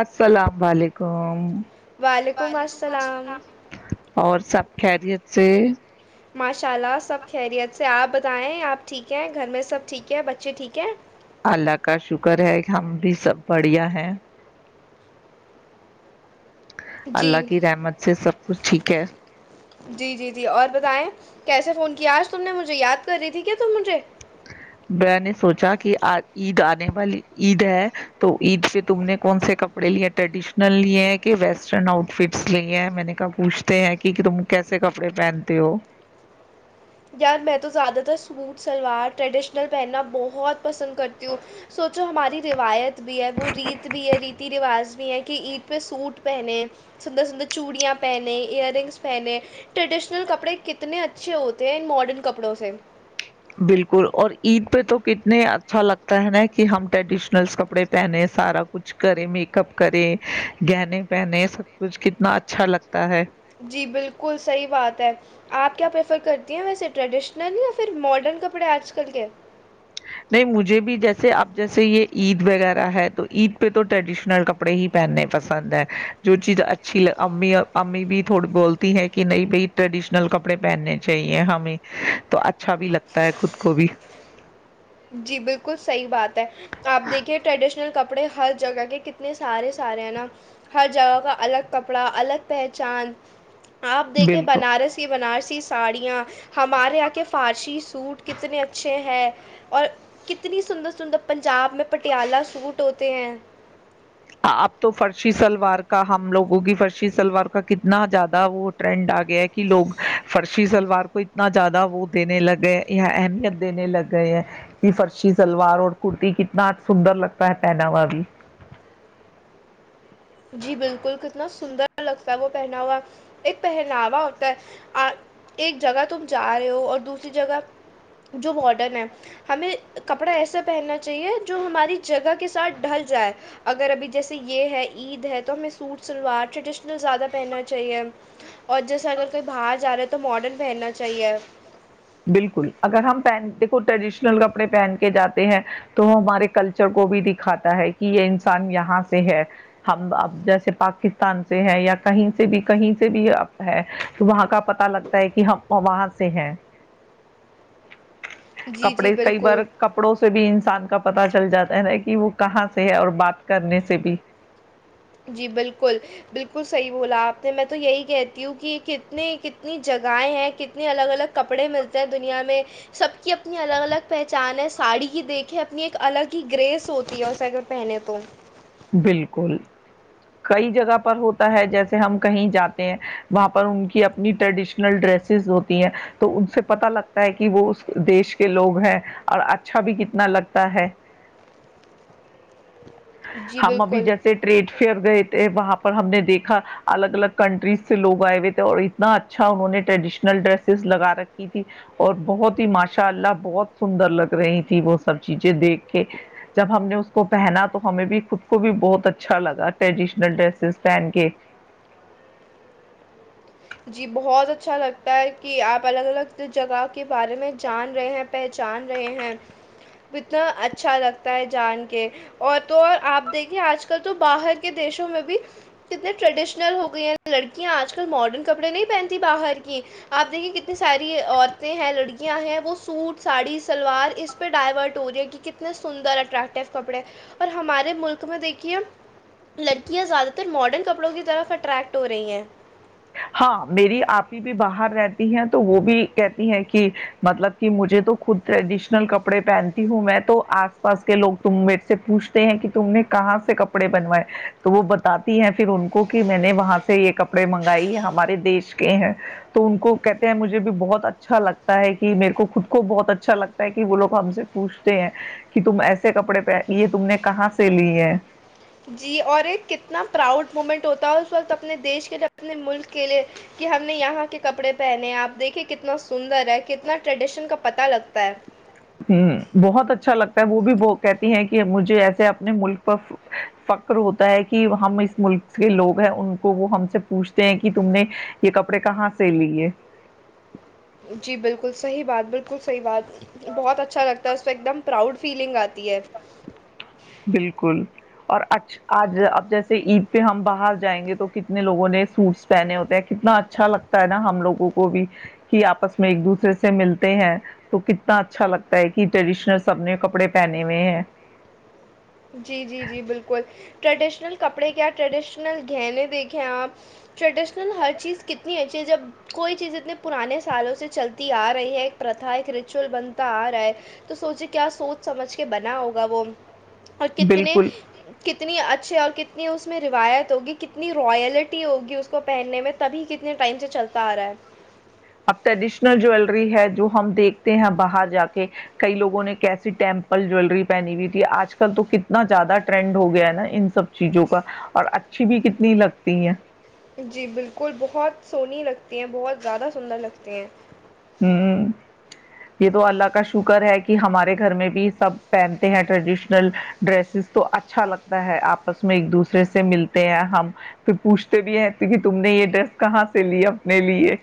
السلام بالییکوم وعلیکم السلام اور سب خیریت سے ماشاء اللہ سب خیریت سے آپ بتائیں آپ ٹھیک ہیں گھر میں سب ٹھیک ہے بچے ٹھیک ہے اللہ کا شکر ہے ہم بھی سب بڑھیا ہیں جی اللہ کی رحمت سے سب کچھ ٹھیک ہے جی جی جی اور بتائیں کیسے فون کیا آج تم نے مجھے یاد کر رہی تھی کیا تم مجھے ب نے سوچا کہ عید آنے والی عید ہے تو عید پہ تم نے کون سے کپڑے لیے ہیں ٹریڈیشنل لیے ہیں کہ ویسٹرن آؤٹ فٹس لیے ہیں میں نے کہا پوچھتے ہیں کہ تم کیسے کپڑے پہنتے ہو یار میں تو زیادہ تر سوٹ شلوار ٹریڈیشنل پہننا بہت پسند کرتی ہوں سوچو ہماری روایت بھی ہے وہ ریت بھی ہے ریتی رواج بھی ہیں کہ عید پہ سوٹ پہنےیں سندر سندر چوڑیاں پہنے ایئر رنگس پہنے ٹریڈیشنل کپڑے کتنے اچھے ہوتے تین ماڈن کپڑوں سے بالکل اور عید پہ تو کتنے اچھا لگتا ہے نا کہ ہم ٹریڈیشنل کپڑے پہنے سارا کچھ کریں میک اپ کریں گہنے پہنے سب کچھ کتنا اچھا لگتا ہے جی بالکل صحیح بات ہے آپ کیا پریفر کرتی ہیں ویسے ٹریڈیشنل یا پھر ماڈرن کپڑے آج کل کے نہیں مجھے بھی جیسے اب جیسے یہ عید وغیرہ ہے تو عید پہ تو ٹریڈیشنل کپڑے ہی پہننے پسند ہے جو چیز اچھی امی امی بھی تھوڑی بولتی ہے کہ نہیں بھائی ٹریڈیشنل کپڑے پہننے چاہیے ہمیں تو اچھا بھی لگتا ہے خود کو بھی جی بالکل صحیح بات آپ دیکھیے ٹریڈیشن کڑے ہر جگہ کے کتنے سارے سارے ہیں نا ہر جہ کا الگ کڑا الگ پہچ آپ دیکھیں بالکل بنارس ہی ونارسی ساڑیاں ہمارے یہاں کے فارسی سوٹ کتنے اچھے ہیں اور کتنی سندر سندر پنجاب میں پٹیالہ سوٹ ہوتے ہیں اب تو فرشی سلوار کا ہم لوگوں کی فرشی سلوار کا کتنا زیادہ وہ ٹرینڈ آ گیا کہ لوگ فرشی سلوار کو اتنا زیادہ وہ دینے لگ گئے یا اہمیت دینے لگ گئے ہیں کہ فرشی سلوار اور کرتی کتنا سندر لگتا ہے پہنا والی جی بالکل کتنا سندر لگتا ہے وہ پہنا ہوا ایک پہناوا ہوتا ہے ایک جگہ تم جا رہے ہو اور دوسری جگہ جو بارڈرن ہے ہمیں کپڑا ایسا پہننا چاہیے جو ہماری جگہ کے ساتھ ڈھل جائے اگر ابھی جیسے یہ ہے عید ہے تو ہمیں سوٹ شلوار ٹریڈیشنل زیادہ پہننا چاہیے اور جیسے اگر کوئی باہر جا رہا ہے تو ماڈرن پہننا چاہیے بالکل اگر ہم پن دیکھو ٹریڈیشنل کپڑے پہن کے جاتے ہیں تو وہ ہمارے کلچر کو بھی دکھاتا ہے کہ یہ انسان یہاں سے ہے ہم اب جیسے پاکستان سے ہے یا کہیں سے بھی کہیں سے بھی اب ہے تو وہاں کا پت لگتا ہے کہ ہم وہاں سے ہے جی جی کپڑے کئی بار بالکل کپڑوں سے بھی انسان کا پتا چل جاتا ہے نا کہ وہ کہاں سے ہے اور بات کرنے سے بھی جی بالکل بالکل صحیح بولا آپ نے میں تو یہی کہتی ہوں کہ کتنی کتنی جگہیں ہیں کتنے الگ الگ کپڑے ملتے ہیں دنیا میں سب کی اپنی الگ الگ پہچان ہے ساڑی کی دیکھیں اپنی ایک الگ ہی گریس ہوتی ہے اس سیک پہنے تو بالکل کئی جگہ پر ہوتا ہے جیسے ہم کہیں جاتے ہیں وہاں پر ان کی اپنی ٹریڈیشنل ڈریسز ہوتی ہیں تو ان سے پتا لگتا ہے کہ وہ اس دیش کے لوگ ہیں اور اچھا بھی کتنا لگتا ہے جی ہم ابھی بالکل، جیسے ٹریڈ فیئر گئے تھ وہاں پر ہم نے دیکھا الگ الگ کنٹریز سے لوگ آئے ہوئے تھے اور اتنا اچھا انہوں نے ٹریڈیشنل ڈریسز لگا رکھی تھی اور بہت ہی ماشاء اللہ بہت سندر لگ رہی تھی وہ سب چیزیں دیکھ کے جب ہم نے اس کو پہنا تو ہمیں بھی خود کو بھی بہت اچھا لگا ٹریڈیشنل ڈریسز پہن کے جی بہت اچھا لگتا ہے کہ آپ الگ الگ جگہ کے بارے میں جان رہے ہیں پہچان رہے ہیں اتنا اچھا لگتا ہے جان کے اور تو آپ دیکھیے آج کل تو باہر کے دیشوں میں بھی کتنے ٹریڈیشنل ہو گئی ہیں لڑکیاں آج کل ماڈرن کپڑے نہیں پہنتی باہر کی آپ دیکھیے کتنی ساری عورتیں ہیں لڑکیاں ہیں وہ سوٹ ساڑی سلوار اس پہ ڈائیورٹ ہو رہی ہیں کہ کتنے سندر اٹریکٹیو کپڑے اور ہمارے ملک میں دیکھیے لڑکیاں زیادہ تر ماڈرن کپڑوں کی طرف اٹریکٹ ہو رہی ہیں ہاں میری آپ ہی بھی باہر رہتی ہے تو وہ بھی کہتی ہیں کہ مطلب کہ مجھے تو خود ٹریڈیشنل کپڑے پہنتی ہوں میں تو آس پاس کے لوگ تم میر سے پوچھتے ہیں کہ تم نے کہاں سے کپڑے بنوائے تو وہ بتاتی ہیں پھر ان کو کہ میں نے وہاں سے یہ کپڑے منگ ہمارے دیش کے ہیں تو ان کو کہتے ہیں مجھے بھی بہت اچھا لگتا ہے کہ میرے کو خود کو بہت اچھا لگتا ہے کہ وہ لوگ ہم سے پوچھتے ہیں کہ تم ایسے کپڑے پہن یہ تم نے کہاں سے لی ہیں جی اور ایک کتنا پراؤڈ مومنٹ ہوتا ہے اس وقت اپنے دیش کے لیے اپنے ملک کے لیے کہ ہم نے یہاں کے کپڑے پہنے ہیں آپ دیکھیے کتنا سندر ہے کتنا ٹریڈیشن کا پتہ لگتا ہے ہ بہت اچھا لگتا ہے وہ بھی وہ کہتی ہیں کہ مجھے ایسے اپنے ملک پر فکر ہوتا ہے کہ ہم اس ملک کے لوگ ہیں ان کو وہ ہم سے پوچھتے ہیں کہ تم نے یہ کپڑے کہاں سے لیے جی بالکل صحیح بات بالکل صحیح بات بہت اچھا لگتا ہے اس پہ ایک دم پراؤڈ فیلنگ آتی ہے بالکل اور اچھ آج اب جیسے عید پہ ہم باہر جائیں گے تو کتنے لوگوں نے سوٹس پہنے ہوتے ہیں کتنا اچھا لگتا ہے نا ہم لوگوں کو بھی کہ آپس میں ایک دوسرے سے ملتے ہیں تو کتنا اچھا لگتا ہے کہ ٹریڈیشنل سب نے کپڑے پہنے ہوئے ہیں جی جی جی بالکل ٹریڈیشنل کپڑے کیا ٹریڈیشنل گہنے دیکھیں آپ ٹریڈشنل ہر چیز کتنی ہےچ چ جب کوئی چیز اتنے پرانے سالوں سے چلتی آ رہی ہے ایک پرتھ ایک ریچوئول بنتا آ رہا ہے تو سوچے کیا سوچ سمجھ کے بنا ہوگا وہ اور کتنے بالکل کتنی اچھے اور کتنی اب ٹریڈیشنل جیلری ہے جو ہم دیکھتے ہیں باہر جا کے کئی لوگوں نے کیسی ٹیمپل جیلری پہنی ہوئی تھی آج کل تو کتنا زیادہ ٹرینڈ ہو گیا ہے نا ان سب چیزوں کا اور اچھی بھی کتنی لگتی ہیں جی بالکل بہت سونی لگتی ہیں بہت زیادہ سندر لگتی ہیں ہوں یہ تو اللہ کا شکر ہے کہ ہمارے گھر میں بھی سب پہنتے ہیں ٹریڈیشنل ڈریسز تو اچھا لگتا ہے آپس میں ایک دوسرے سے ملتے ہیں ہم پھر پوچھتے بھی ہیں کہ تم نے یہ ڈریس کہاں سے لی اپنے لیے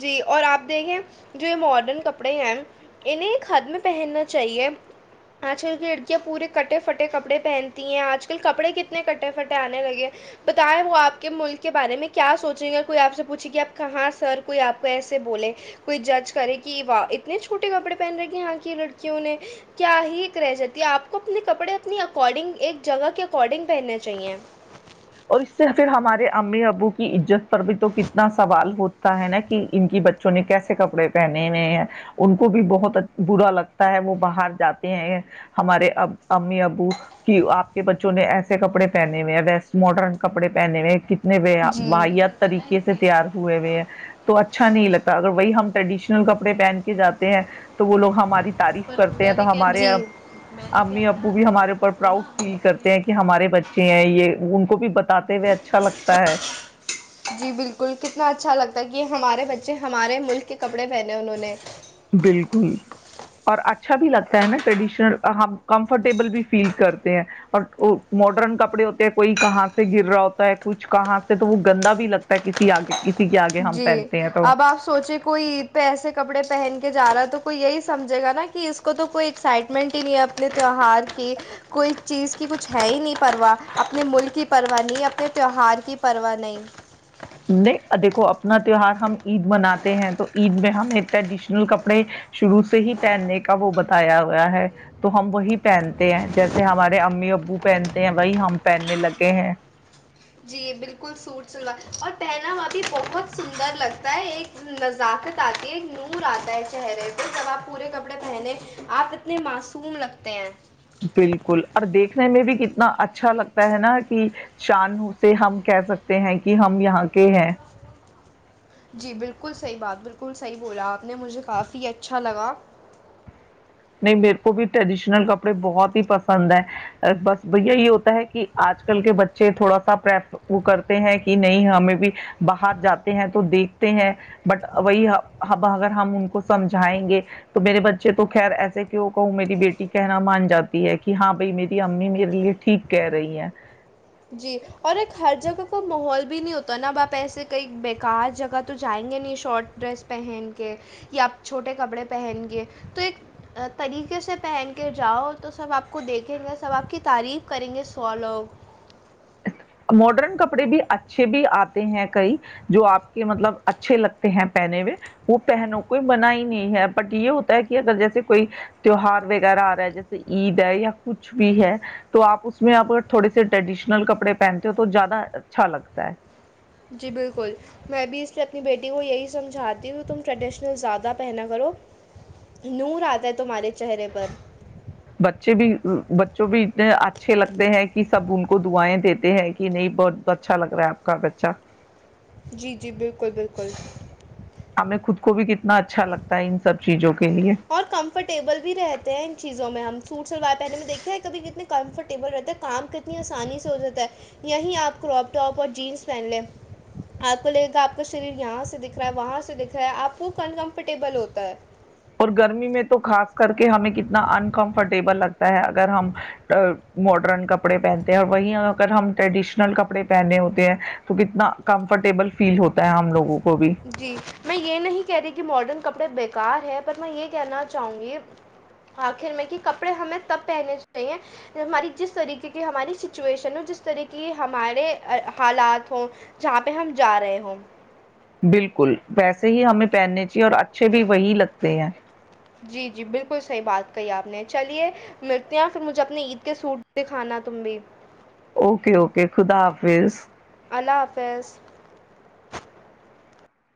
جی اور آپ دیکھیں جو یہ ماڈرن کپڑے ہیں انہیں ایک حد میں پہننا چاہیے آج کل کی لڑکیاں پورے کٹے پھٹے کپڑے پہنتی ہیں آج کل کپڑے کتنے کٹے پھٹے آنے لگے بتائیں وہ آپ کے ملک کے بارے میں کیا سوچیں گے کوئی آپ سے پوچھے گ آپ کہاں سر کوئی آپ کو ایسے بولے کوئی جج کرے کہ واہ اتنے چھوٹے کپڑے پہن رہے ہیں یہاں کی لڑکیوں نے کیا ہی ایک رہ جاتی ہے آپ کو اپنے کپڑے اپنی اکارڈنگ ایک جگہ کے اکارڈنگ پہننے چاہیے اور اس سے پھر ہمارے امی ابو کی عزت پر بھی تو کتنا سوال ہوتا ہے نا کہ ان کی بچوں نے کیسے کپڑے پہنے ہوئے ہیں ان کو بھی بہت برا لگتا ہے وہ باہر جاتے ہیں ہمارے ا امی ابو کہ آپ کے بچوں نے ایسے کپڑے پہنے ہوئے ہیں ویسٹ ماڈرن کپڑے پہنے ہوئے جی ویات طریقے سے تیار ہوئے ہوئے ہیں تو اچھا نہیں لگتا اگر وہی ہم ٹڈشنل کپڑ پہن جاتے ہیں تو وہ لوگ ہماری تعریف پر کرتے ہیں میں نے تو کیا ہمارے جی امی ابو بھی ہمارے اوپر پراؤڈ فیل کرتے ہیں کہ ہمارے بچے ہیں یہ [inaudible] بھی بتا ے ہوئے اچھا لگتا ہے یہ ہمارے بچے ہمارے ملک کے کپڑے پہنے انہوں نے بالکل اور اچھا بھی لگتا ہے نا ٹریڈیشنل ہم کمفرٹیبل بھی فیل کرتے ہیں اور ماڈرن کپڑے ہوتے ہیں کوئی کہاں سے گر رہا ہوتا ہے کچھ کہاں سے تو وہ گندا بھی لگتا ہے کسی آگے ک جی اب آپ سوچے کوئی عید پہ ایسے کپڑے پہن کے جا رہا ہے تو کوئی یہی سمجے گا نا کہ اس کو تو کوئی ایکسائٹمنٹ ہی نہیں ہے اپنے تیوار کی کوئی چیز کی کچھ ہے ہی نہیں پرواہ اپنے ملک کی پرواہ نہیں اپنے تیوار کی پرواہ نہیں نہیں دیکھو اپنا تیوار ہم عید مناتے ہیں تو عید میں ہمیں ٹریڈیشنل کپڑے شروع سے ہی پہننے کا وہ بتایا ہویا ہے تو ہم وہی پہنتے ہیں جیسے ہمارے امی ابو پہنتے ہیں وہی ہم پہننے لگے ہیں جی بالکل سوٹ سلوار اور پہنا وہا بھی بہت سندر لگتا ہے ایک نزاکت آتی ہے ایک نور آتا ہے چہرے پ جب آپ پورے کپڑے پہنے آپ اتنے معصوم لگتے ہیں بالکل اور دیکھنے میں بھی کتنا اچھا لگتا ہے نا کہ شان سے ہم کہہ سکتے ہیں کہ ہم یہاں کے ہیں جی بالکل صحیح بات بالکل صحیح بولا آپ نے مجھے کافی اچھا لگا نہیں میرے کو بھی ٹریڈیشنل کپڑے بہت ہی پسند ہے بس یہی ہوتا ہے کہ آج کل کے بچے تھوڑا سا پرف کرتے ہیں کہ نہیں ہمیں بھی باہر جاتے ہیں تو دیکھتے ہیں بٹ وہی اگر ہم ان کو سمجھائیں گے تو میرے بچے تو خیر ایسے کیوں کہوں میری بیٹی کہنا مان جاتی ہے کہ ہاں بھائی میری امی میرے لیے ٹھیک کہہ رہی ہیں جی اور ایک ہر جگہ کا ماحول بھی نہیں ہوتا نا اب آپ ایسے کئی ب کار جگہ تو جائیں گے نہیں شارٹ ڈریس پہن کے یا آپ چھوٹے کپڑے پہن کے تو ایک طریقے سے پہن کے جاؤ تو سب آپ کو دیکھیں گے سب آپ کی تعریف کریں گے سو لوگ ماڈرن کپڑے بھی اچھے بھی آتے ہیں کئی جو آپ کے مطلب اچھے لگتے ہیں پہنے میں وہ پہنوں کوئی منا ہی نہیں ہے بٹ یہ ہوتا ہے کہ اگر جیسے کوئی تیوہار وغیرہ آ رہا ہے جیسے عید ہے یا کچھ بھی ہے تو آپ اس میں تھوڑے سے ٹریڈیشن کپڑے پہنتے ہو تو زیادہ اچھا لگتا ہے جی بالکل میں بھی اس پہ اپنی بیٹی کو یہی سمجھاتی ہوں کہ تم ٹریڈیشنل زیادہ پہنا کرو نور آتا ہے تمہارے چہرے پر بچے بھی بچوں بھی اتنے اچھے لگتے ہیں کہ سب ان کو دعائیں دیتے ہیں کہ نہیں بہت اچھا لگ رہا ہے آپ کا بچہ جی جی بالکل بالکل خود کو بھی کتنا اچھا لگتا ہے ان سب چیزوں کا اور کمفرٹیبل بھی رہتے ہیں ان چیزوں میں ہم سوٹ شلوار پہنے میں دیکھتے ہے کبھی کتنے کمفرٹیبل رہتا ہے کام کتنی آسانی سے ہو جاتا ہے یہیں آپ کراپ ٹاپ اور جینس پہن لیں آپ کو لگے گا آپ کا شریر یہاں سے دکھ رہا ہے وہاں سے دکھ رہا ہے آپ کو کن کمفرٹیبل ہوتا ہے اور گرمی میں تو خاص کر کے ہمیں کتنا انکمفرٹیبل لگتا ہے اگر ہم ماڈرن کپڑے پہنتے ہیں اور وہ اگر ہم ٹریڈیشنل کپڑے پہنے ہوتے ہیں تو کتنا کمفرٹیبل فیل ہوتا ہے ہم لوگوں کو بھی جی میں یہ نہیں کہہ رہی کہ ماڈرن کپڑے ب کار ہے پر میں یہ کہنا چاہوں گی آخر میں کہ کپڑے ہمیں تب پہنے چاہے ہماری جس طریقے کی ہماری سچویشن ہو جس طریقے ہمارے حالات ہوں جہاں پہ ہم جا رہے ہوں بالکل پیسے ہی ہمیں پہننے اور اچھے بھی وہی لگتے ہیں کئی آپ نے چلیے ملتے ہیں پھر مجھے اپنے عید کے سٹ دکھانا تم بھی اوکے اوکے خدا حافظ اللہ حافیظ